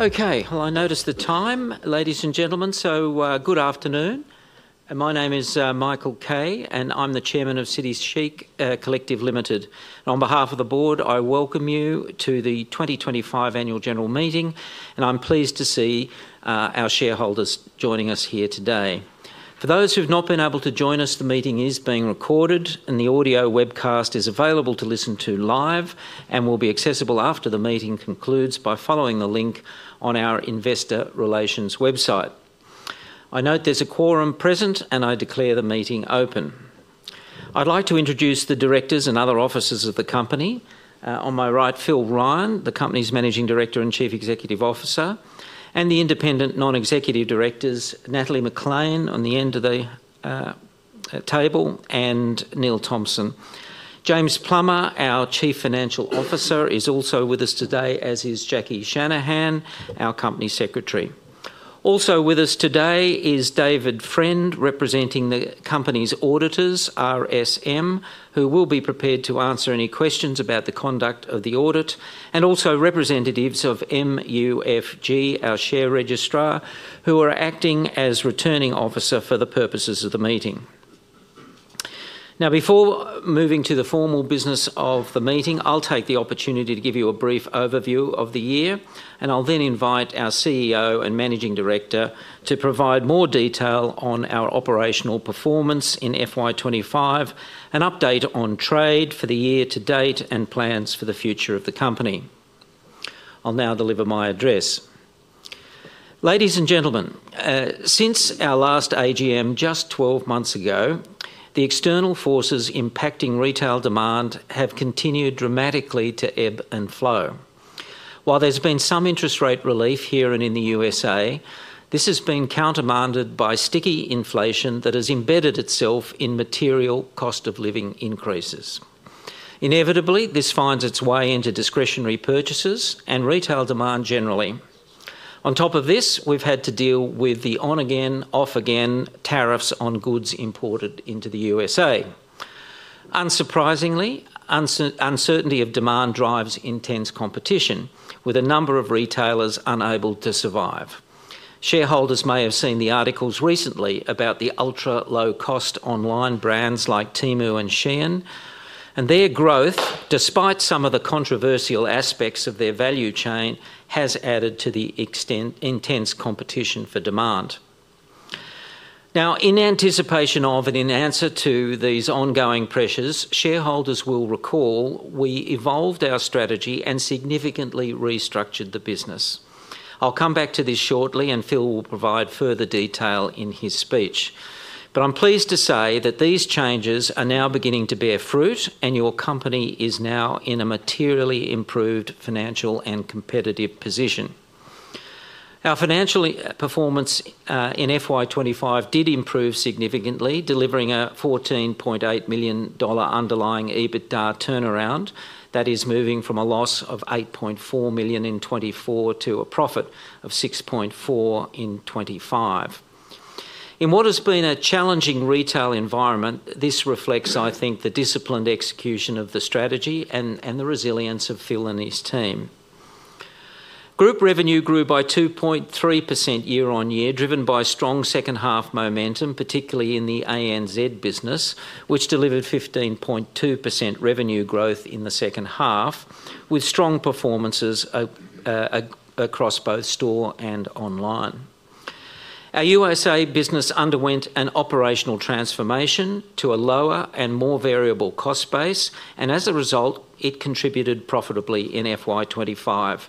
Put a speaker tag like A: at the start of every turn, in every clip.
A: Okay, I noticed the time, ladies and gentlemen. Good afternoon. My name is Michael Kay, and I'm the Chairman of City Chic Collective Limited. On behalf of the board, I welcome you to the 2025 Annual General Meeting, and I'm pleased to see our shareholders joining us here today. For those who have not been able to join us, the meeting is being recorded, and the audio webcast is available to listen to live and will be accessible after the meeting concludes by following the link on our investor relations website. I note there's a quorum present, and I declare the meeting open. I'd like to introduce the directors and other officers of the company. On my right, Phil Ryan, the company's Managing Director and Chief Executive Officer, and the independent non-executive directors, Natalie McClean on the end of the table, and Neil Thompson. James Plummer, our Chief Financial Officer, is also with us today, as is Jacquie Shanahan, our Company Secretary. Also with us today is David Friend, representing the company's auditors, RSM, who will be prepared to answer any questions about the conduct of the audit, and also representatives of MUFG, our share registrar, who are acting as returning officer for the purposes of the meeting. Now, before moving to the formal business of the meeting, I'll take the opportunity to give you a brief overview of the year, and I'll then invite our CEO and Managing Director to provide more detail on our operational performance in FY25, an update on trade for the year to date, and plans for the future of the company. I'll now deliver my address. Ladies and gentlemen, since our last AGM just 12 months ago, the external forces impacting retail demand have continued dramatically to ebb and flow. While there's been some interest rate relief here and in the U.S.A., this has been countermanded by sticky inflation that has embedded itself in material cost of living increases. Inevitably, this finds its way into discretionary purchases and retail demand generally. On top of this, we've had to deal with the on-again, off-again tariffs on goods imported into the U.S.A. Unsurprisingly, uncertainty of demand drives intense competition, with a number of retailers unable to survive. Shareholders may have seen the articles recently about the ultra-low-cost online brands like Temu and Shein, and their growth, despite some of the controversial aspects of their value chain, has added to the intense competition for demand. Now, in anticipation of and in answer to these ongoing pressures, shareholders will recall we evolved our strategy and significantly restructured the business. I'll come back to this shortly, and Phil will provide further detail in his speech. I am pleased to say that these changes are now beginning to bear fruit, and your company is now in a materially improved financial and competitive position. Our financial performance in 2025 did improve significantly, delivering a 14.8 million dollar underlying EBITDA turnaround. That is moving from a loss of 8.4 million in 2024 to a profit of 6.4 million in 2025. In what has been a challenging retail environment, this reflects, I think, the disciplined execution of the strategy and the resilience of Phil and his team. Group revenue grew by 2.3% year on year, driven by strong second-half momentum, particularly in the ANZ business, which delivered 15.2% revenue growth in the second half, with strong performances across both store and online. Our U.S.A. business underwent an operational transformation to a lower and more variable cost base, and as a result, it contributed profitably in FY25.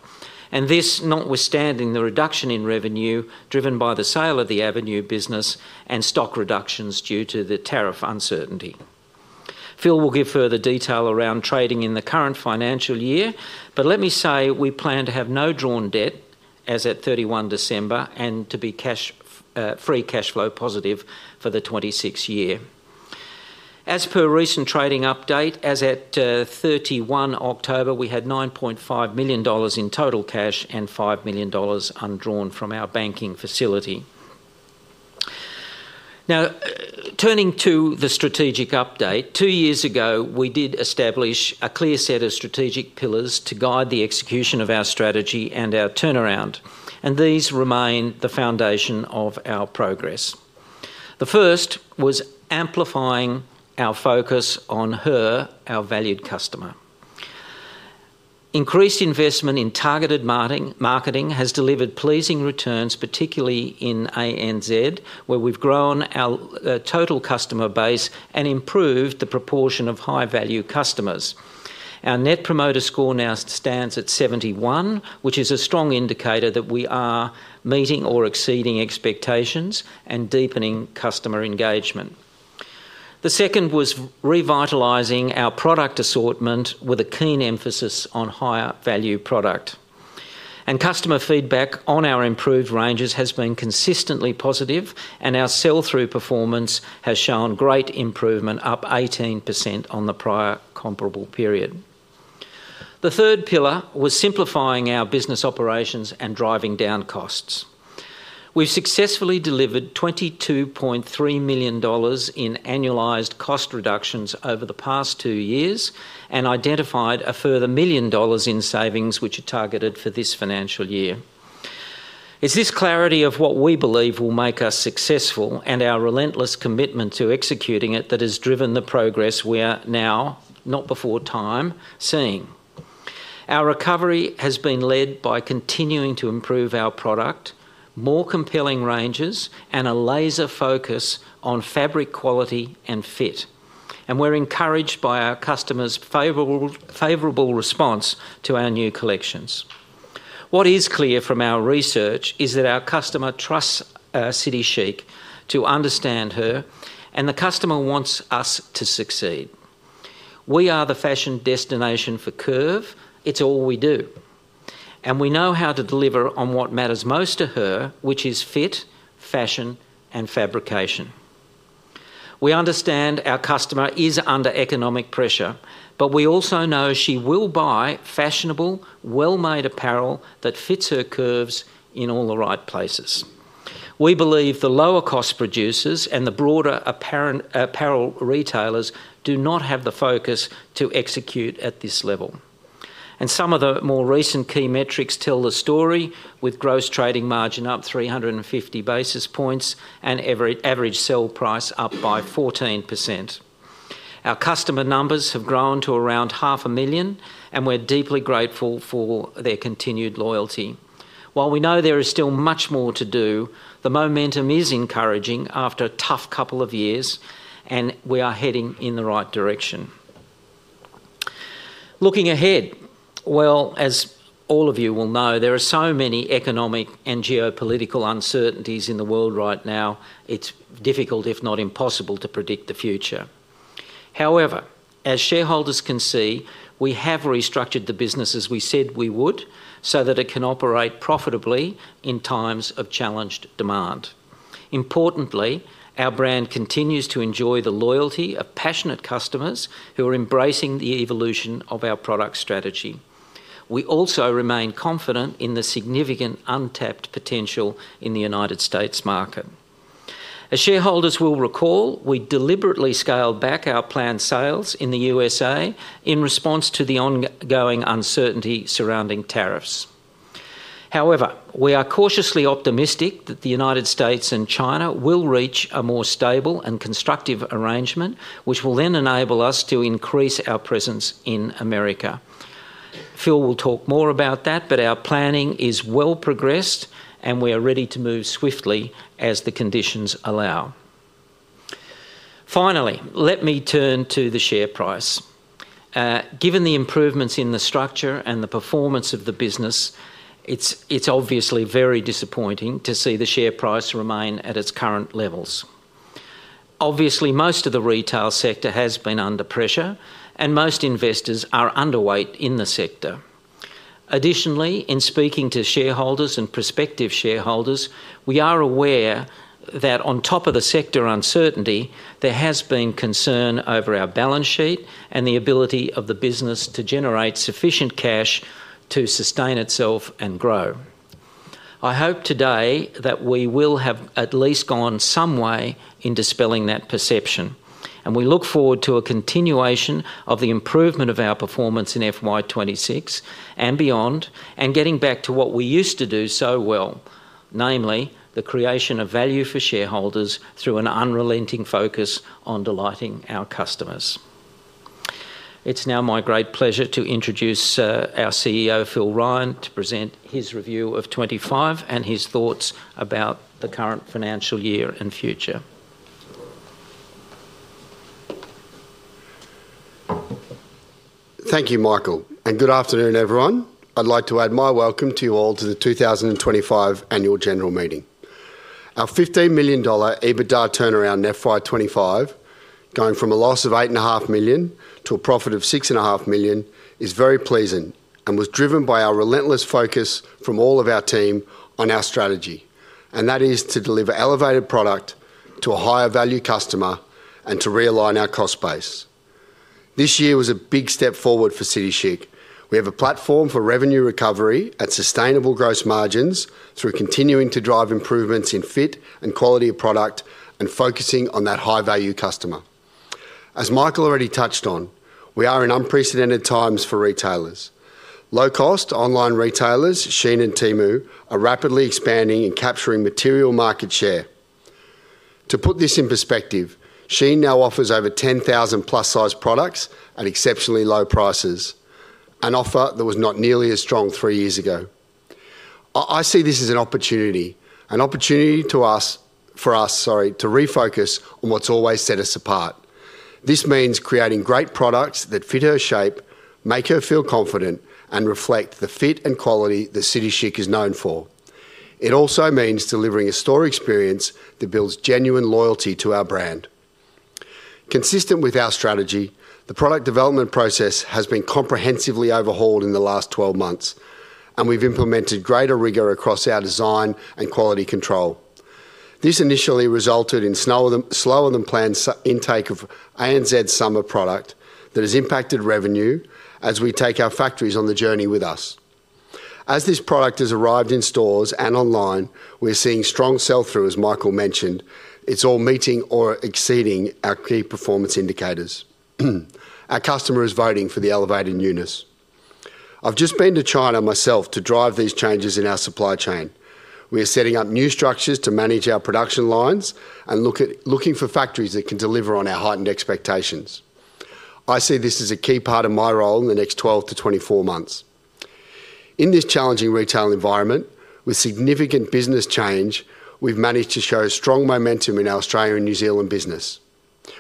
A: This, notwithstanding the reduction in revenue driven by the sale of the Avenue business and stock reductions due to the tariff uncertainty. Phil will give further detail around trading in the current financial year, but let me say we plan to have no drawn debt as at 31 December and to be free cash flow positive for the 2026 year. As per recent trading update, as at 31 October, we had 9.5 million dollars in total cash and 5 million dollars undrawn from our banking facility. Now, turning to the strategic update, two years ago, we did establish a clear set of strategic pillars to guide the execution of our strategy and our turnaround, and these remain the foundation of our progress. The first was amplifying our focus on HER, our valued customer. Increased investment in targeted marketing has delivered pleasing returns, particularly in ANZ, where we've grown our total customer base and improved the proportion of high-value customers. Our Net Promoter Score now stands at 71, which is a strong indicator that we are meeting or exceeding expectations and deepening customer engagement. The second was revitalizing our product assortment with a keen emphasis on higher value product. Customer feedback on our improved ranges has been consistently positive, and our sell-through performance has shown great improvement, up 18% on the prior comparable period. The third pillar was simplifying our business operations and driving down costs. We've successfully delivered 22.3 million dollars in annualized cost reductions over the past two years and identified a further 1 million dollars in savings, which are targeted for this financial year. It is this clarity of what we believe will make us successful and our relentless commitment to executing it that has driven the progress we are now, not before time, seeing. Our recovery has been led by continuing to improve our product, more compelling ranges, and a laser focus on fabric quality and fit. We are encouraged by our customers' favorable response to our new collections. What is clear from our research is that our customer trusts City Chic to understand HER, and the customer wants us to succeed. We are the fashion destination for curve. It is all we do. We know how to deliver on what matters most to HER, which is fit, fashion, and fabrication. We understand our customer is under economic pressure, but we also know she will buy fashionable, well-made apparel that fits her curves in all the right places. We believe the lower-cost producers and the broader apparel retailers do not have the focus to execute at this level. Some of the more recent key metrics tell the story, with gross trading margin up 350 basis points and average sell price up by 14%. Our customer numbers have grown to around 500,000, and we're deeply grateful for their continued loyalty. While we know there is still much more to do, the momentum is encouraging after a tough couple of years, and we are heading in the right direction. Looking ahead, as all of you will know, there are so many economic and geopolitical uncertainties in the world right now, it's difficult, if not impossible, to predict the future. However, as shareholders can see, we have restructured the business as we said we would so that it can operate profitably in times of challenged demand. Importantly, our brand continues to enjoy the loyalty of passionate customers who are embracing the evolution of our product strategy. We also remain confident in the significant untapped potential in the United States market. As shareholders will recall, we deliberately scaled back our planned sales in the U.S.A. in response to the ongoing uncertainty surrounding tariffs. However, we are cautiously optimistic that the United States and China will reach a more stable and constructive arrangement, which will then enable us to increase our presence in America. Phil will talk more about that, but our planning is well progressed, and we are ready to move swiftly as the conditions allow. Finally, let me turn to the share price. Given the improvements in the structure and the performance of the business, it's obviously very disappointing to see the share price remain at its current levels. Obviously, most of the retail sector has been under pressure, and most investors are underweight in the sector. Additionally, in speaking to shareholders and prospective shareholders, we are aware that on top of the sector uncertainty, there has been concern over our balance sheet and the ability of the business to generate sufficient cash to sustain itself and grow. I hope today that we will have at least gone some way in dispelling that perception. We look forward to a continuation of the improvement of our performance in FY26 and beyond, and getting back to what we used to do so well, namely the creation of value for shareholders through an unrelenting focus on delighting our customers. It's now my great pleasure to introduce our CEO, Phil Ryan, to present his review of 2025 and his thoughts about the current financial year and future.
B: Thank you, Michael, and good afternoon, everyone. I'd like to add my welcome to you all to the 2025 Annual General Meeting. Our 15 million dollar EBITDA turnaround in FY25, going from a loss of 8.5 million to a profit of 6.5 million, is very pleasing and was driven by our relentless focus from all of our team on our strategy, and that is to deliver elevated product to a higher value customer and to realign our cost base. This year was a big step forward for City Chic. We have a platform for revenue recovery and sustainable gross margins through continuing to drive improvements in fit and quality of product and focusing on that high-value customer. As Michael already touched on, we are in unprecedented times for retailers. Low-cost online retailers, Shein and Temu, are rapidly expanding and capturing material market share. To put this in perspective, Shein now offers over 10,000 plus-size products at exceptionally low prices, an offer that was not nearly as strong three years ago. I see this as an opportunity, an opportunity for us, sorry, to refocus on what's always set us apart. This means creating great products that fit her shape, make her feel confident, and reflect the fit and quality that City Chic is known for. It also means delivering a store experience that builds genuine loyalty to our brand. Consistent with our strategy, the product development process has been comprehensively overhauled in the last 12 months, and we've implemented greater rigor across our design and quality control. This initially resulted in slower than planned intake of ANZ's summer product that has impacted revenue as we take our factories on the journey with us. As this product has arrived in stores and online, we're seeing strong sell-through, as Michael mentioned. It's all meeting or exceeding our key performance indicators. Our customer is voting for the elevated newness. I've just been to China myself to drive these changes in our supply chain. We are setting up new structures to manage our production lines and looking for factories that can deliver on our heightened expectations. I see this as a key part of my role in the next 12 to 24 months. In this challenging retail environment, with significant business change, we've managed to show strong momentum in our Australia and New Zealand business,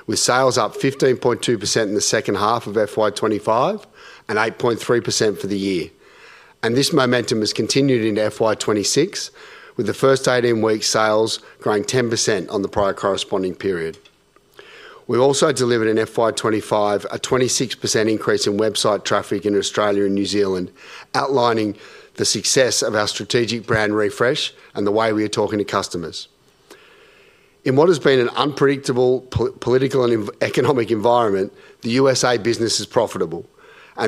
B: with sales up 15.2% in the second half of FY2025 and 8.3% for the year. This momentum has continued into FY2026, with the first 18-week sales growing 10% on the prior corresponding period. We also delivered in FY25 a 26% increase in website traffic in Australia and New Zealand, outlining the success of our strategic brand refresh and the way we are talking to customers. In what has been an unpredictable political and economic environment, the US business is profitable.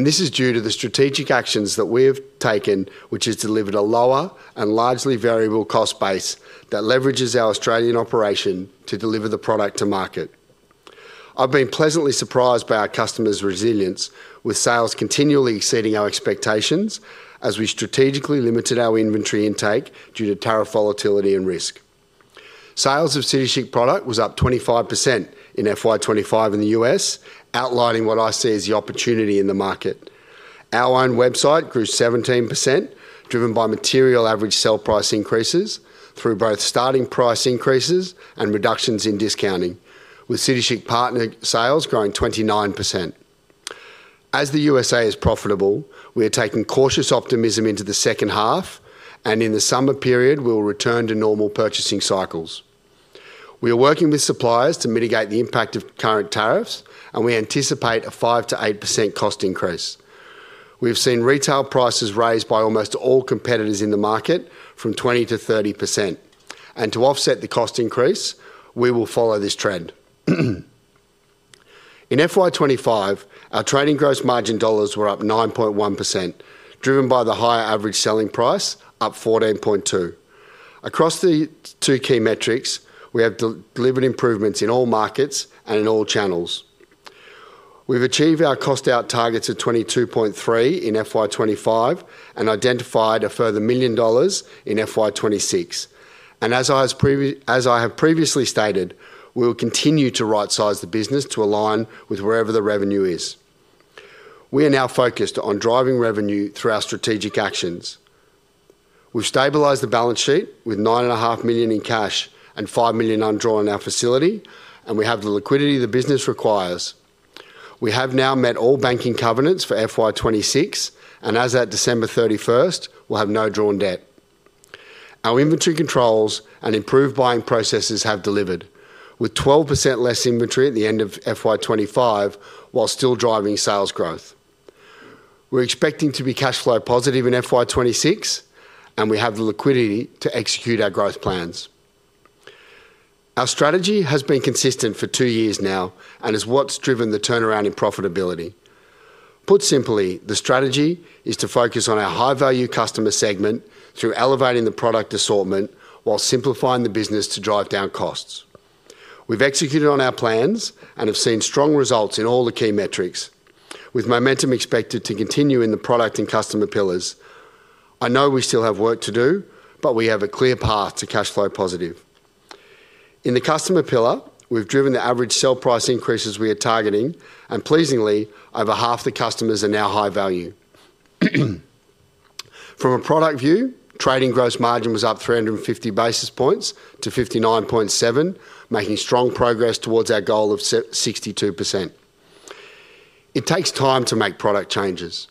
B: This is due to the strategic actions that we have taken, which has delivered a lower and largely variable cost base that leverages our Australian operation to deliver the product to market. I've been pleasantly surprised by our customers' resilience, with sales continually exceeding our expectations as we strategically limited our inventory intake due to tariff volatility and risk. Sales of City Chic product was up 25% in FY25 in the US, outlining what I see as the opportunity in the market. Our own website grew 17%, driven by material average sell price increases through both starting price increases and reductions in discounting, with City Chic partner sales growing 29%. As the U.S.A. is profitable, we are taking cautious optimism into the second half, and in the summer period, we will return to normal purchasing cycles. We are working with suppliers to mitigate the impact of current tariffs, and we anticipate a 5%-8% cost increase. We have seen retail prices raised by almost all competitors in the market from 20%-30%. To offset the cost increase, we will follow this trend. In FY25, our trading gross margin dollars were up 9.1%, driven by the higher average selling price, up 14.2%. Across the two key metrics, we have delivered improvements in all markets and in all channels. have achieved our cost-out targets of 22.3% in FY25 and identified a further 1 million dollars in FY26. As I have previously stated, we will continue to right-size the business to align with wherever the revenue is. We are now focused on driving revenue through our strategic actions. We have stabilized the balance sheet with 9.5 million in cash and 5 million undrawn in our facility, and we have the liquidity the business requires. We have now met all banking covenants for FY26, and as of December 31, we will have no drawn debt. Our inventory controls and improved buying processes have delivered, with 12% less inventory at the end of FY25 while still driving sales growth. We are expecting to be cash flow positive in FY26, and we have the liquidity to execute our growth plans. Our strategy has been consistent for two years now and is what's driven the turnaround in profitability. Put simply, the strategy is to focus on our high-value customer segment through elevating the product assortment while simplifying the business to drive down costs. We've executed on our plans and have seen strong results in all the key metrics, with momentum expected to continue in the product and customer pillars. I know we still have work to do, but we have a clear path to cash flow positive. In the customer pillar, we've driven the average sell price increases we are targeting, and pleasingly, over half the customers are now high value. From a product view, trading gross margin was up 350 basis points to 59.7%, making strong progress towards our goal of 62%. It takes time to make product changes.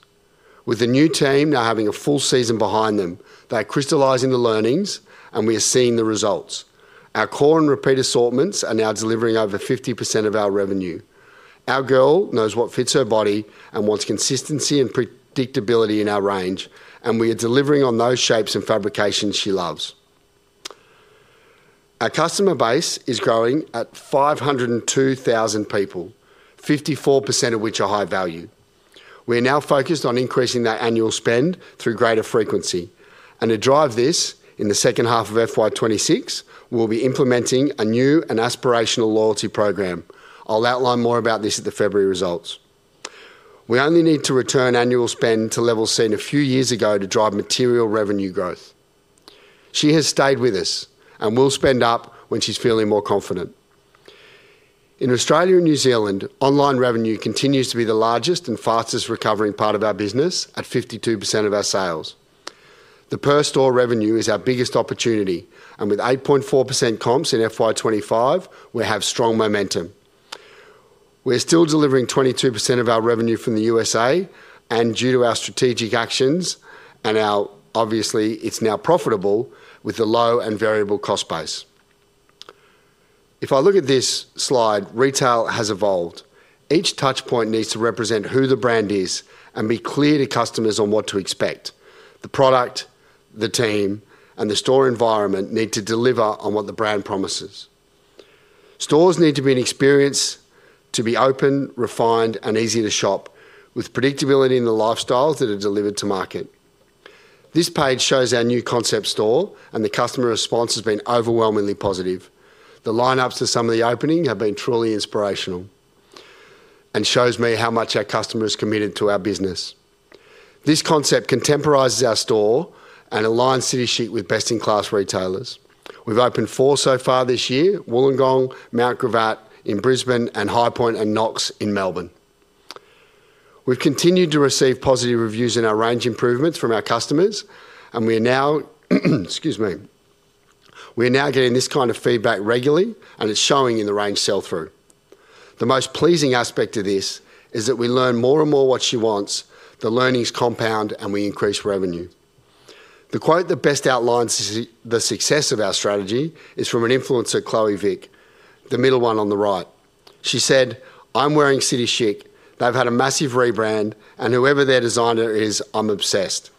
B: With the new team now having a full season behind them, they are crystallizing the learnings, and we are seeing the results. Our core and repeat assortments are now delivering over 50% of our revenue. Our girl knows what fits her body and wants consistency and predictability in our range, and we are delivering on those shapes and fabrications she loves. Our customer base is growing at 502,000 people, 54% of which are high value. We are now focused on increasing that annual spend through greater frequency. To drive this in the second half of FY2026, we'll be implementing a new and aspirational loyalty program. I'll outline more about this at the February results. We only need to return annual spend to levels seen a few years ago to drive material revenue growth. She has stayed with us, and we'll spend up when she's feeling more confident. In Australia and New Zealand, online revenue continues to be the largest and fastest recovering part of our business at 52% of our sales. The per-store revenue is our biggest opportunity, and with 8.4% comps in FY25, we have strong momentum. We're still delivering 22% of our revenue from the U.S., and due to our strategic actions and our obviously, it's now profitable with the low and variable cost base. If I look at this slide, retail has evolved. Each touchpoint needs to represent who the brand is and be clear to customers on what to expect. The product, the team, and the store environment need to deliver on what the brand promises. Stores need to be an experience to be open, refined, and easy to shop, with predictability in the lifestyles that are delivered to market. This page shows our new concept store, and the customer response has been overwhelmingly positive. The lineups to some of the opening have been truly inspirational and shows me how much our customer is committed to our business. This concept contemporizes our store and aligns City Chic with best-in-class retailers. We've opened four so far this year: Wollongong, Mt Gravatt in Brisbane, and High Point and Knox in Melbourne. We've continued to receive positive reviews in our range improvements from our customers, and we are now, excuse me, we are now getting this kind of feedback regularly, and it's showing in the range sell-through. The most pleasing aspect of this is that we learn more and more what she wants, the learnings compound, and we increase revenue. The quote that best outlines the success of our strategy is from an influencer, Chloe Vick, the middle one on the right. She said, "I'm wearing City Chic. They've had a massive rebrand, and whoever their designer is, I'm obsessed."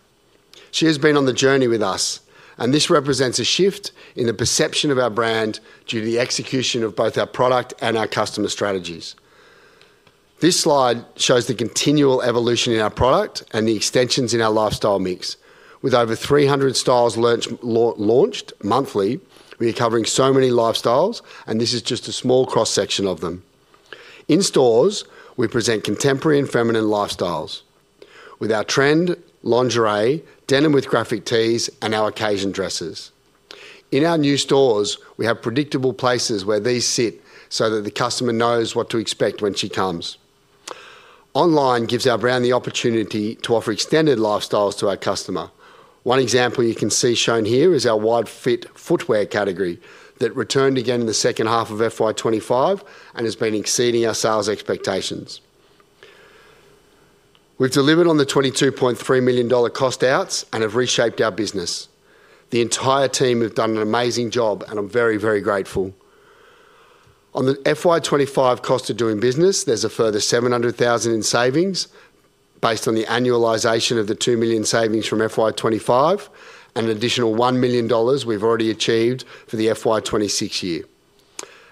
B: She has been on the journey with us, and this represents a shift in the perception of our brand due to the execution of both our product and our customer strategies. This slide shows the continual evolution in our product and the extensions in our lifestyle mix. With over 300 styles launched monthly, we are covering so many lifestyles, and this is just a small cross-section of them. In stores, we present contemporary and feminine lifestyles with our trend, lingerie, denim with graphic tees, and our occasion dresses. In our new stores, we have predictable places where these sit so that the customer knows what to expect when she comes. Online gives our brand the opportunity to offer extended lifestyles to our customer. One example you can see shown here is our wide fit footwear category that returned again in the second half of FY25 and has been exceeding our sales expectations. We've delivered on the 22.3 million dollar cost outs and have reshaped our business. The entire team have done an amazing job, and I'm very, very grateful. On the FY25 cost of doing business, there's a further 700,000 in savings based on the annualisation of the 2 million savings from FY25 and an additional 1 million dollars we've already achieved for the FY26 year.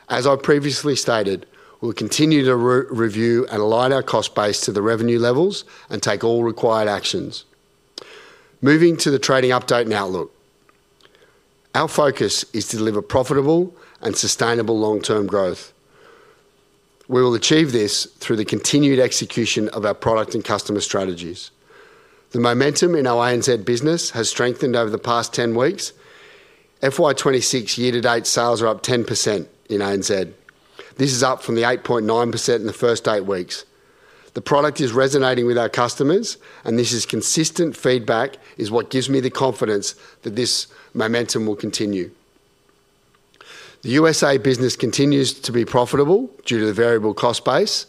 B: As I've previously stated, we'll continue to review and align our cost base to the revenue levels and take all required actions. Moving to the trading update and outlook, our focus is to deliver profitable and sustainable long-term growth. We will achieve this through the continued execution of our product and customer strategies. The momentum in our ANZ business has strengthened over the past 10 weeks. FY26 year-to-date sales are up 10% in ANZ. This is up from the 8.9% in the first eight weeks. The product is resonating with our customers, and this consistent feedback is what gives me the confidence that this momentum will continue. The U.S.A. business continues to be profitable due to the variable cost base.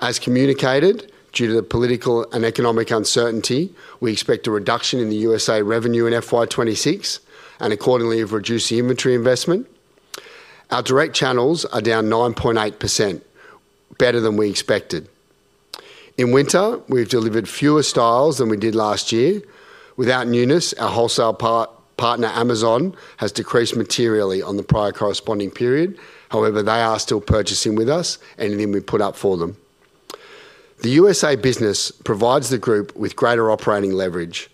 B: As communicated, due to the political and economic uncertainty, we expect a reduction in the U.S.A. revenue in FY26 and accordingly have reduced the inventory investment. Our direct channels are down 9.8%, better than we expected. In winter, we've delivered fewer styles than we did last year. Without newness, our wholesale partner Amazon has decreased materially on the prior corresponding period. However, they are still purchasing with us, and then we put up for them. The U.S.A. business provides the group with greater operating leverage,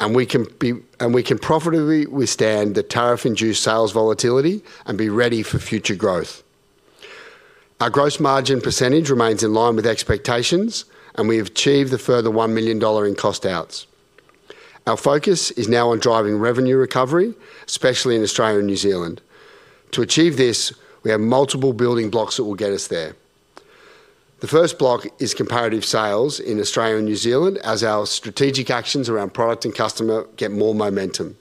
B: and we can profitably withstand the tariff-induced sales volatility and be ready for future growth. Our gross margin percentage remains in line with expectations, and we have achieved the further 1 million dollar in cost outs. Our focus is now on driving revenue recovery, especially in Australia and New Zealand. To achieve this, we have multiple building blocks that will get us there. The first block is comparative sales in Australia and New Zealand as our strategic actions around product and customer get more momentum.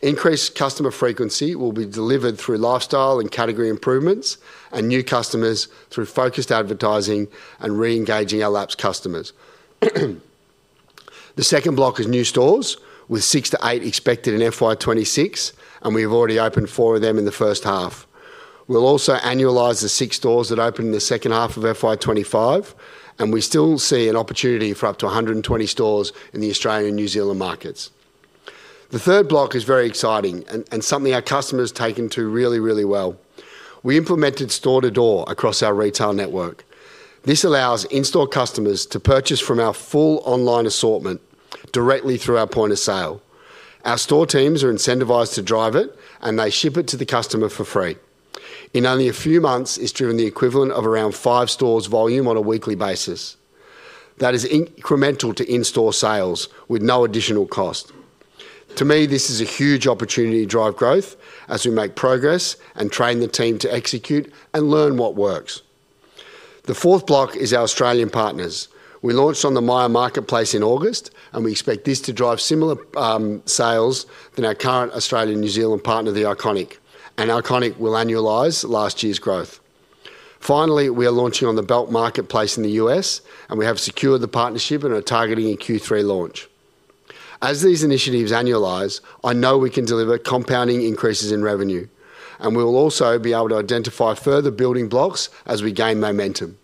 B: Increased customer frequency will be delivered through lifestyle and category improvements and new customers through focused advertising and re-engaging our lapse customers. The second block is new stores with six to eight expected in FY26, and we have already opened four of them in the first half. We'll also annualize the six stores that opened in the second half of FY25, and we still see an opportunity for up to 120 stores in the Australia and New Zealand markets. The third block is very exciting and something our customers take into really, really well. We implemented store-to-door across our retail network. This allows in-store customers to purchase from our full online assortment directly through our point of sale. Our store teams are incentivized to drive it, and they ship it to the customer for free. In only a few months, it's driven the equivalent of around five stores' volume on a weekly basis. That is incremental to in-store sales with no additional cost. To me, this is a huge opportunity to drive growth as we make progress and train the team to execute and learn what works. The fourth block is our Australian partners. We launched on the Maya Marketplace in August, and we expect this to drive similar sales to our current Australian and New Zealand partner, The Iconic, and The Iconic will annualize last year's growth. Finally, we are launching on the Belk Marketplace in the U.S., and we have secured the partnership and are targeting a Q3 launch. As these initiatives annualize, I know we can deliver compounding increases in revenue, and we will also be able to identify further building blocks as we gain momentum.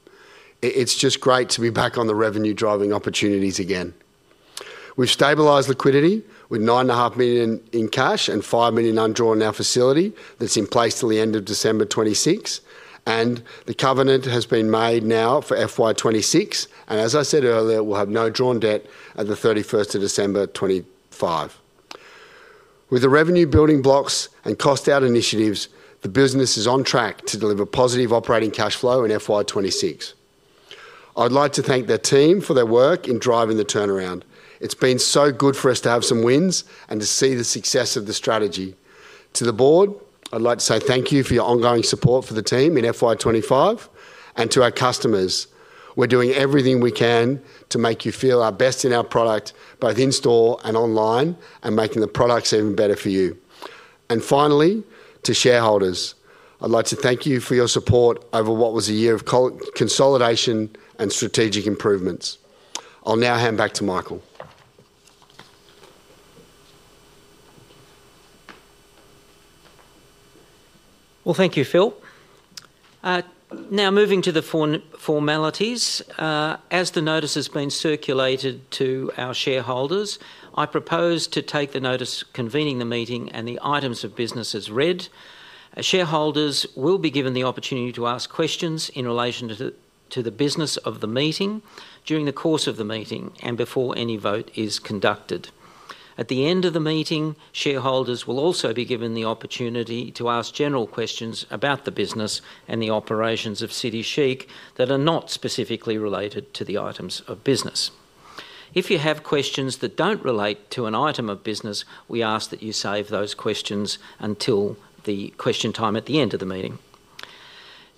B: It's just great to be back on the revenue-driving opportunities again. We've stabilized liquidity with $9.5 million in cash and $5 million undrawn in our facility that's in place till the end of December 2026, and the covenant has been made now for FY26, and as I said earlier, we'll have no drawn debt at the 31st of December 2025. With the revenue-building blocks and cost-out initiatives, the business is on track to deliver positive operating cash flow in FY26. I'd like to thank the team for their work in driving the turnaround. It's been so good for us to have some wins and to see the success of the strategy. To the board, I'd like to say thank you for your ongoing support for the team in FY25 and to our customers. We're doing everything we can to make you feel our best in our product, both in-store and online, and making the products even better for you. Finally, to shareholders, I'd like to thank you for your support over what was a year of consolidation and strategic improvements. I'll now hand back to Michael.
A: Thank you, Phil. Now, moving to the formalities, as the notice has been circulated to our shareholders, I propose to take the notice convening the meeting and the items of business as read. Shareholders will be given the opportunity to ask questions in relation to the business of the meeting during the course of the meeting and before any vote is conducted. At the end of the meeting, shareholders will also be given the opportunity to ask general questions about the business and the operations of City Chic that are not specifically related to the items of business. If you have questions that do not relate to an item of business, we ask that you save those questions until the question time at the end of the meeting.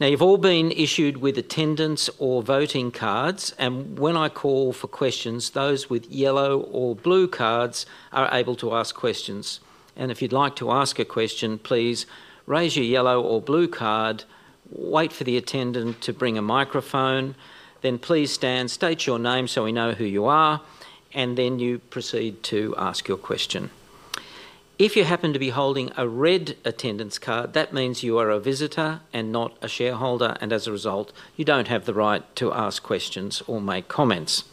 A: Now, you've all been issued with attendance or voting cards, and when I call for questions, those with yellow or blue cards are able to ask questions. If you'd like to ask a question, please raise your yellow or blue card, wait for the attendant to bring a microphone, then please stand, state your name so we know who you are, and then you proceed to ask your question. If you happen to be holding a red attendance card, that means you are a visitor and not a shareholder, and as a result, you don't have the right to ask questions or make comments.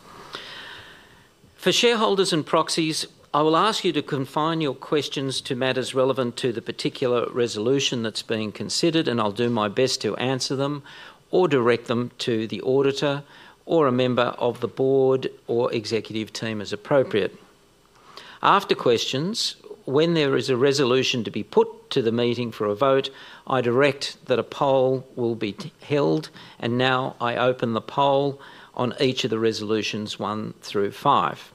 A: For shareholders and proxies, I will ask you to confine your questions to matters relevant to the particular resolution that is being considered, and I'll do my best to answer them or direct them to the auditor or a member of the board or executive team as appropriate. After questions, when there is a resolution to be put to the meeting for a vote, I direct that a poll will be held, and now I open the poll on each of the resolutions one through five.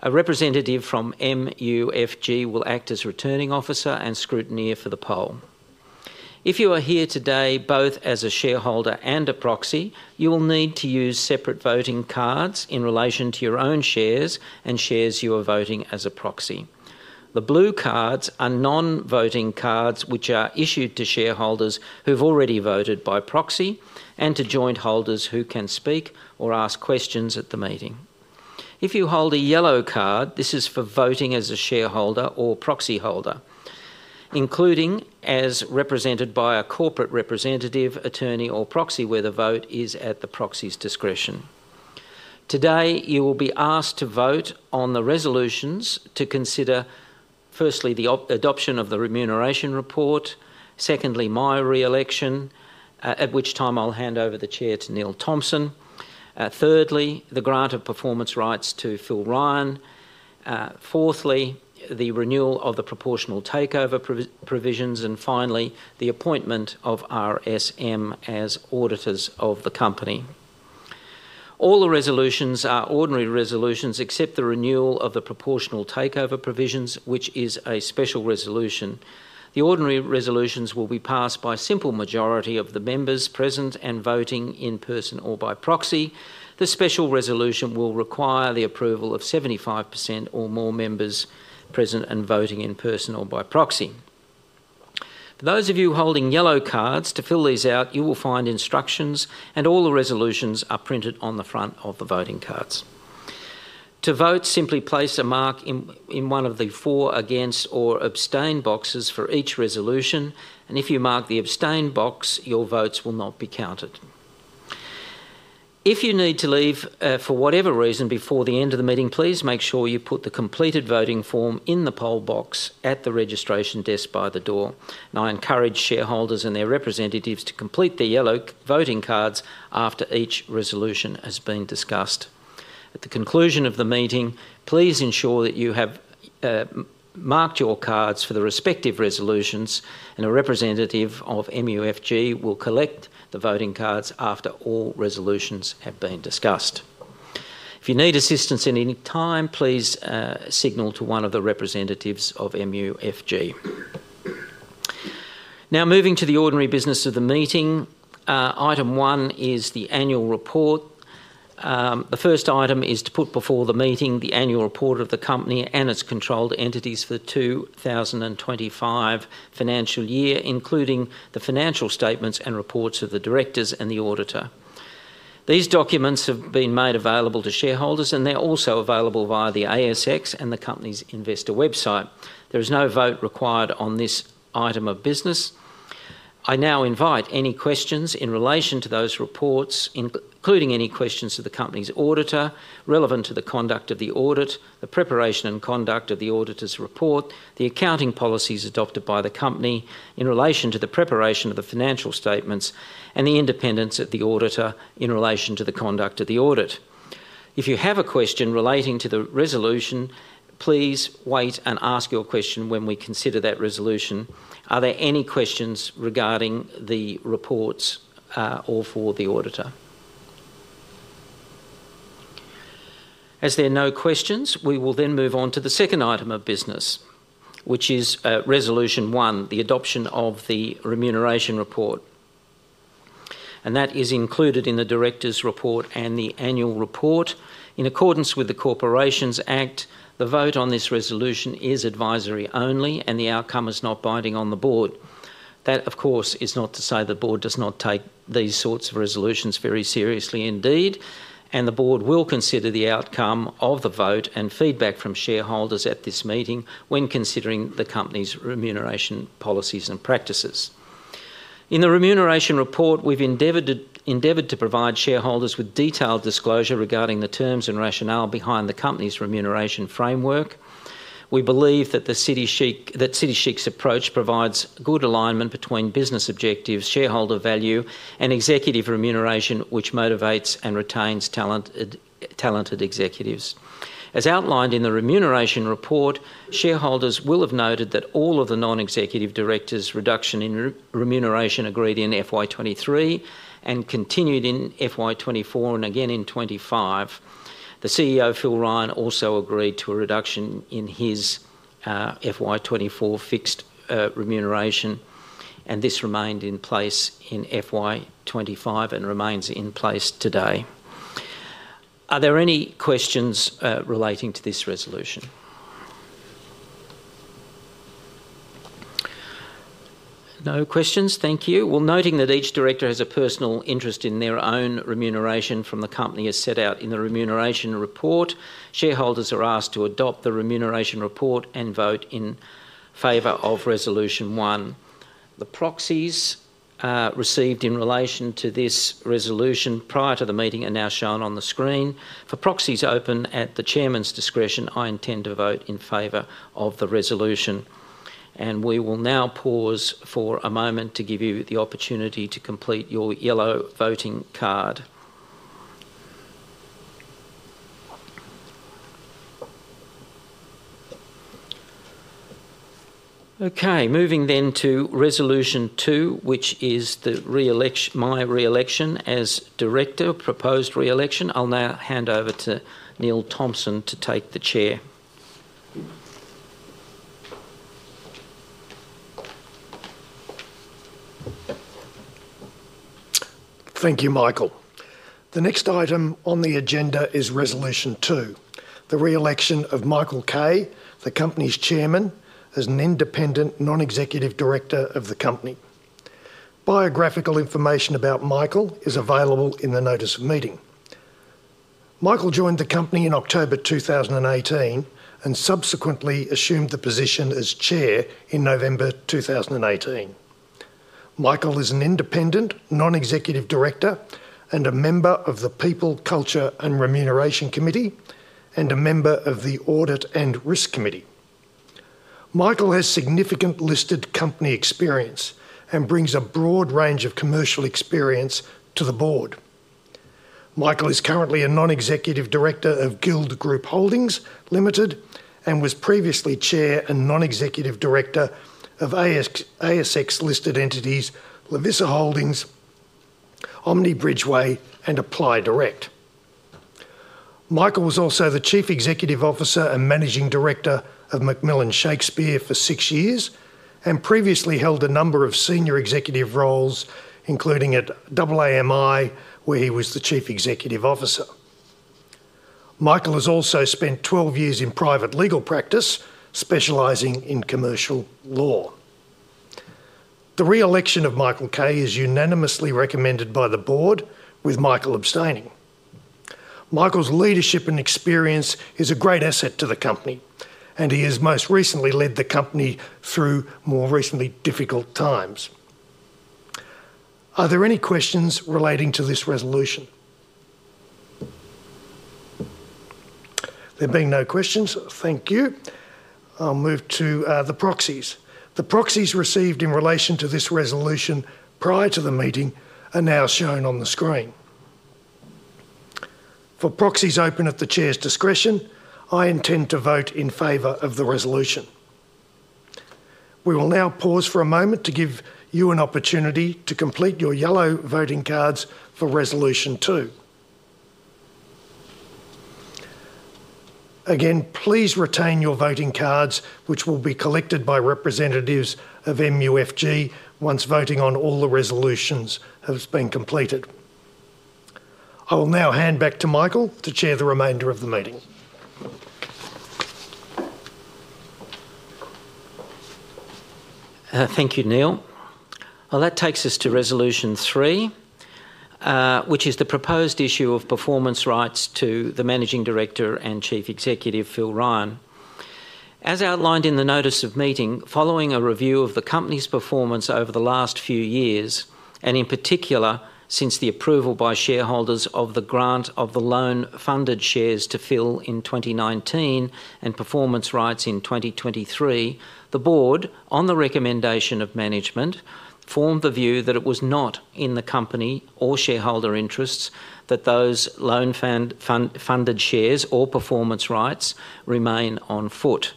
A: A representative from MUFG will act as returning officer and scrutineer for the poll. If you are here today both as a shareholder and a proxy, you will need to use separate voting cards in relation to your own shares and shares you are voting as a proxy. The blue cards are non-voting cards which are issued to shareholders who've already voted by proxy and to joint holders who can speak or ask questions at the meeting. If you hold a yellow card, this is for voting as a shareholder or proxy holder, including as represented by a corporate representative, attorney, or proxy where the vote is at the proxy's discretion. Today, you will be asked to vote on the resolutions to consider, firstly, the adoption of the remuneration report. Secondly, my re-election, at which time I'll hand over the chair to Neil Thompson. Thirdly, the grant of performance rights to Phil Ryan. Fourthly, the renewal of the proportional takeover provisions. Finally, the appointment of RSM as auditors of the company. All the resolutions are ordinary resolutions except the renewal of the proportional takeover provisions, which is a special resolution. The ordinary resolutions will be passed by simple majority of the members present and voting in person or by proxy. The special resolution will require the approval of 75% or more members present and voting in person or by proxy. For those of you holding yellow cards, to fill these out, you will find instructions, and all the resolutions are printed on the front of the voting cards. To vote, simply place a mark in one of the for, against, or abstain boxes for each resolution, and if you mark the abstain box, your votes will not be counted. If you need to leave for whatever reason before the end of the meeting, please make sure you put the completed voting form in the poll box at the registration desk by the door. I encourage shareholders and their representatives to complete the yellow voting cards after each resolution has been discussed. At the conclusion of the meeting, please ensure that you have marked your cards for the respective resolutions, and a representative of MUFG will collect the voting cards after all resolutions have been discussed. If you need assistance at any time, please signal to one of the representatives of MUFG. Now, moving to the ordinary business of the meeting, item one is the annual report. The first item is to put before the meeting the annual report of the company and its controlled entities for the 2025 financial year, including the financial statements and reports of the directors and the auditor. These documents have been made available to shareholders, and they're also available via the ASX and the company's investor website. There is no vote required on this item of business. I now invite any questions in relation to those reports, including any questions to the company's auditor relevant to the conduct of the audit, the preparation and conduct of the auditor's report, the accounting policies adopted by the company in relation to the preparation of the financial statements, and the independence of the auditor in relation to the conduct of the audit. If you have a question relating to the resolution, please wait and ask your question when we consider that resolution. Are there any questions regarding the reports or for the auditor? As there are no questions, we will then move on to the second item of business, which is resolution one, the adoption of the remuneration report. That is included in the director's report and the annual report. In accordance with the Corporations Act, the vote on this resolution is advisory only, and the outcome is not binding on the board. That, of course, is not to say the board does not take these sorts of resolutions very seriously indeed, and the board will consider the outcome of the vote and feedback from shareholders at this meeting when considering the company's remuneration policies and practices. In the remuneration report, we've endeavored to provide shareholders with detailed disclosure regarding the terms and rationale behind the company's remuneration framework. We believe that City Chic's approach provides good alignment between business objectives, shareholder value, and executive remuneration, which motivates and retains talented executives. As outlined in the remuneration report, shareholders will have noted that all of the non-executive directors' reduction in remuneration agreed in FY23 and continued in FY24 and again in 2025. The CEO, Phil Ryan, also agreed to a reduction in his FY24 fixed remuneration, and this remained in place in FY25 and remains in place today. Are there any questions relating to this resolution? No questions. Thank you. Noting that each director has a personal interest in their own remuneration from the company as set out in the remuneration report, shareholders are asked to adopt the remuneration report and vote in favor of resolution one. The proxies received in relation to this resolution prior to the meeting are now shown on the screen. For proxies open at the Chairman's discretion, I intend to vote in favor of the resolution. We will now pause for a moment to give you the opportunity to complete your yellow voting card. Okay, moving then to resolution two, which is my re-election as director, proposed re-election. I'll now hand over to Neil Thompson to take the chair.
C: Thank you, Michael. The next item on the agenda is resolution two, the re-election of Michael Kay, the company's Chairman, as an independent non-executive director of the company. Biographical information about Michael is available in the notice of meeting. Michael joined the company in October 2018 and subsequently assumed the position as Chair in November 2018. Michael is an independent non-executive director and a member of the People, Culture and Remuneration Committee and a member of the Audit and Risk Committee. Michael has significant listed company experience and brings a broad range of commercial experience to the board. Michael is currently a non-executive director of Guild Group Holdings Limited and was previously Chair and non-executive director of ASX-listed entities Lovisa Holdings, Omni Bridgeway, and Applydirect. Michael was also the Chief Executive Officer and Managing Director of McMillan Shakespeare for six years and previously held a number of senior executive roles, including at AAMI, where he was the Chief Executive Officer. Michael has also spent 12 years in private legal practice specializing in commercial law. The re-election of Michael Kay is unanimously recommended by the board, with Michael abstaining. Michael's leadership and experience is a great asset to the company, and he has most recently led the company through more recently difficult times. Are there any questions relating to this resolution? There being no questions, thank you. I'll move to the proxies. The proxies received in relation to this resolution prior to the meeting are now shown on the screen. For proxies open at the Chair's discretion, I intend to vote in favor of the resolution. We will now pause for a moment to give you an opportunity to complete your yellow voting cards for resolution two. Again, please retain your voting cards, which will be collected by representatives of MUFG once voting on all the resolutions has been completed. I will now hand back to Michael to chair the remainder of the meeting.
A: Thank you, Neil. That takes us to resolution three, which is the proposed issue of performance rights to the Managing Director and Chief Executive Officer Phil Ryan. As outlined in the notice of meeting, following a review of the company's performance over the last few years, and in particular since the approval by shareholders of the grant of the loan-funded shares to Phil in 2019 and performance rights in 2023, the board, on the recommendation of management, formed the view that it was not in the company or shareholder interests that those loan-funded shares or performance rights remain on foot.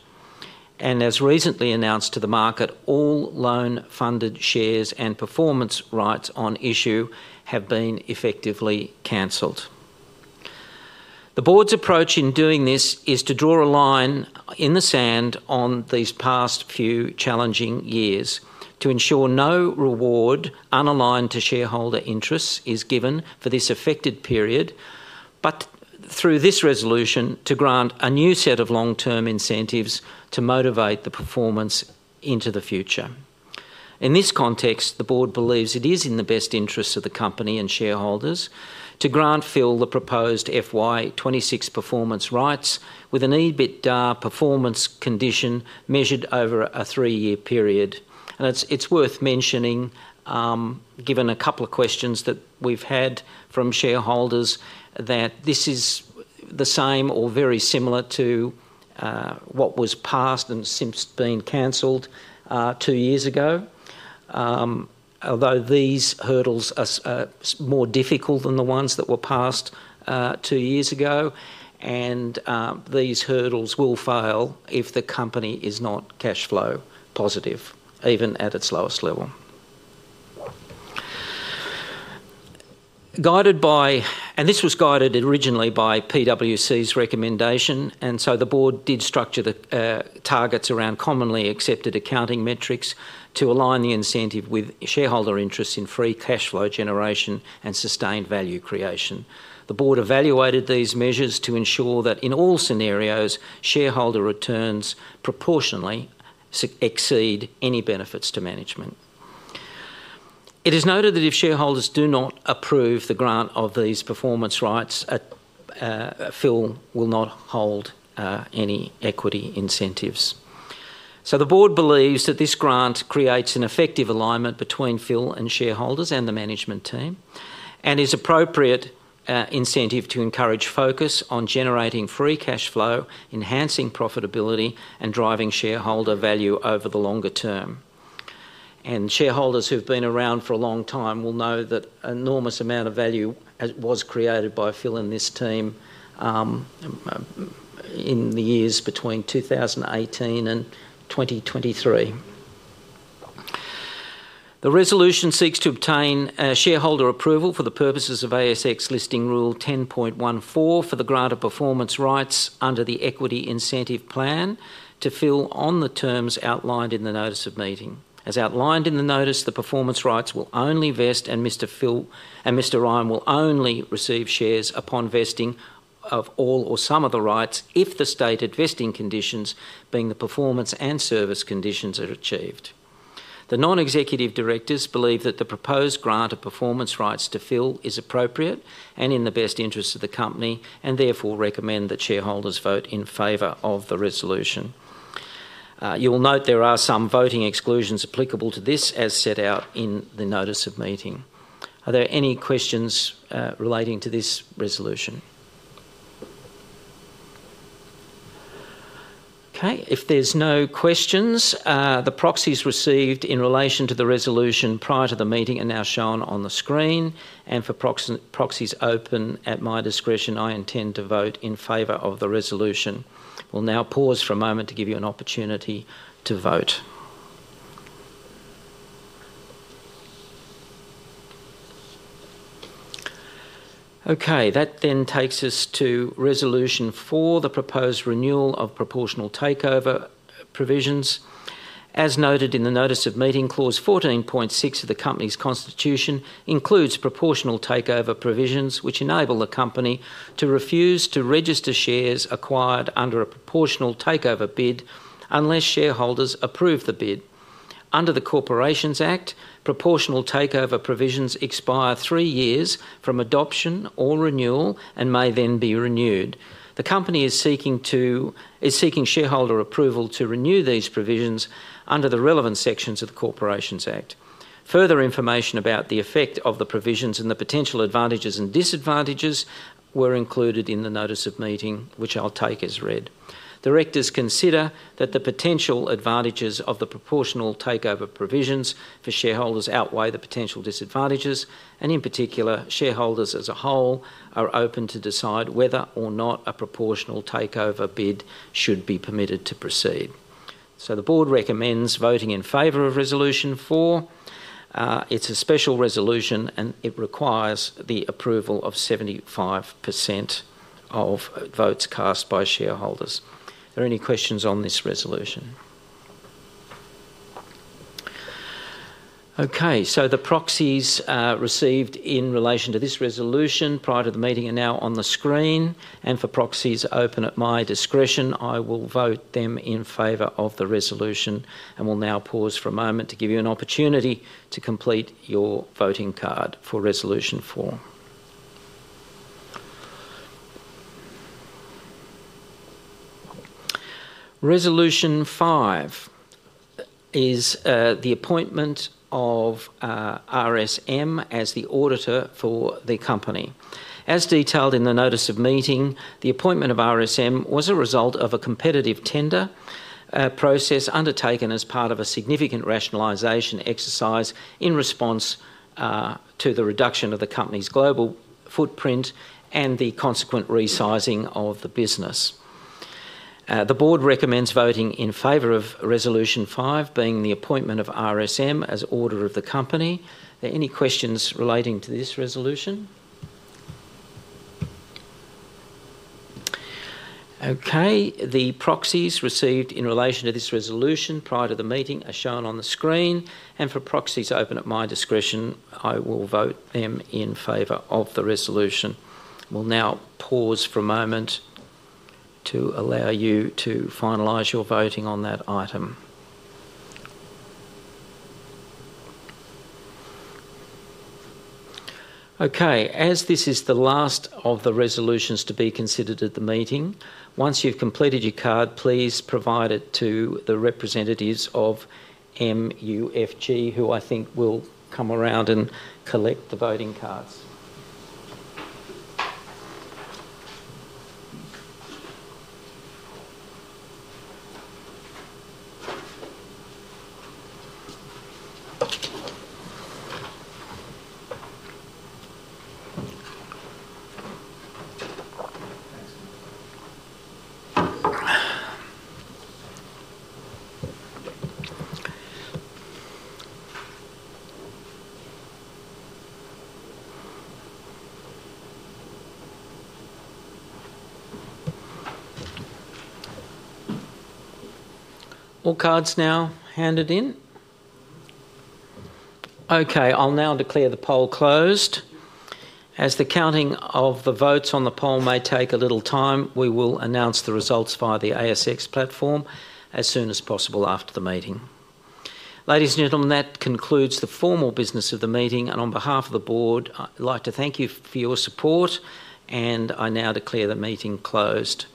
A: As recently announced to the market, all loan-funded shares and performance rights on issue have been effectively cancelled. The board's approach in doing this is to draw a line in the sand on these past few challenging years to ensure no reward unaligned to shareholder interests is given for this affected period, but through this resolution to grant a new set of long-term incentives to motivate the performance into the future. In this context, the board believes it is in the best interest of the company and shareholders to grant Phil the proposed FY26 performance rights with an EBITDA performance condition measured over a three-year period. It is worth mentioning, given a couple of questions that we have had from shareholders, that this is the same or very similar to what was passed and since been cancelled two years ago, although these hurdles are more difficult than the ones that were passed two years ago, and these hurdles will fail if the company is not cash flow positive, even at its lowest level. This was guided originally by PwC's recommendation, and the board did structure the targets around commonly accepted accounting metrics to align the incentive with shareholder interests in free cash flow generation and sustained value creation. The board evaluated these measures to ensure that in all scenarios, shareholder returns proportionally exceed any benefits to management. It is noted that if shareholders do not approve the grant of these performance rights, Phil will not hold any equity incentives. The board believes that this grant creates an effective alignment between Phil and shareholders and the management team, and is appropriate incentive to encourage focus on generating free cash flow, enhancing profitability, and driving shareholder value over the longer term. Shareholders who've been around for a long time will know that an enormous amount of value was created by Phil and this team in the years between 2018 and 2023. The resolution seeks to obtain shareholder approval for the purposes of ASX listing rule 10.14 for the grant of performance rights under the equity incentive plan to Phil on the terms outlined in the notice of meeting. As outlined in the notice, the performance rights will only vest and Mr. Ryan will only receive shares upon vesting of all or some of the rights if the stated vesting conditions, being the performance and service conditions, are achieved. The non-executive directors believe that the proposed grant of performance rights to Phil is appropriate and in the best interest of the company, and therefore recommend that shareholders vote in favor of the resolution. You will note there are some voting exclusions applicable to this as set out in the notice of meeting. Are there any questions relating to this resolution? Okay, if there's no questions, the proxies received in relation to the resolution prior to the meeting are now shown on the screen, and for proxies open at my discretion, I intend to vote in favor of the resolution. We'll now pause for a moment to give you an opportunity to vote. Okay, that then takes us to resolution four, the proposed renewal of proportional takeover provisions. As noted in the notice of meeting, clause 14.6 of the company's constitution includes proportional takeover provisions which enable the company to refuse to register shares acquired under a proportional takeover bid unless shareholders approve the bid. Under the Corporations Act, proportional takeover provisions expire three years from adoption or renewal and may then be renewed. The company is seeking shareholder approval to renew these provisions under the relevant sections of the Corporations Act. Further information about the effect of the provisions and the potential advantages and disadvantages were included in the notice of meeting, which I'll take as read. Directors consider that the potential advantages of the proportional takeover provisions for shareholders outweigh the potential disadvantages, and in particular, shareholders as a whole are open to decide whether or not a proportional takeover bid should be permitted to proceed. The board recommends voting in favor of resolution four. It's a special resolution, and it requires the approval of 75% of votes cast by shareholders. Are there any questions on this resolution? Okay, the proxies received in relation to this resolution prior to the meeting are now on the screen, and for proxies open at my discretion, I will vote them in favor of the resolution. We will now pause for a moment to give you an opportunity to complete your voting card for resolution four. Resolution five is the appointment of RSM as the auditor for the company. As detailed in the notice of meeting, the appointment of RSM was a result of a competitive tender process undertaken as part of a significant rationalization exercise in response to the reduction of the company's global footprint and the consequent resizing of the business. The board recommends voting in favor of resolution five being the appointment of RSM as auditor of the company. Are there any questions relating to this resolution? Okay, the proxies received in relation to this resolution prior to the meeting are shown on the screen, and for proxies open at my discretion, I will vote them in favor of the resolution. We'll now pause for a moment to allow you to finalize your voting on that item. Okay, as this is the last of the resolutions to be considered at the meeting, once you've completed your card, please provide it to the representatives of MUFG, who I think will come around and collect the voting cards. All cards now handed in? Okay, I'll now declare the poll closed. As the counting of the votes on the poll may take a little time, we will announce the results via the ASX platform as soon as possible after the meeting. Ladies and gentlemen, that concludes the formal business of the meeting, and on behalf of the board, I'd like to thank you for your support, and I now declare the meeting closed.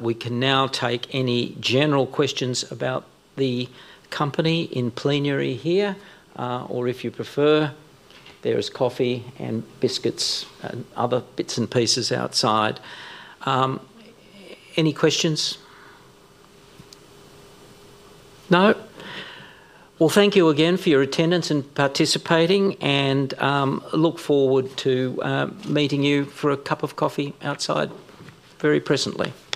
A: We can now take any general questions about the company in plenary here, or if you prefer, there is coffee and biscuits and other bits and pieces outside. Any questions? No? Thank you again for your attendance and participating, and look forward to meeting you for a cup of coffee outside very presently. Thank you.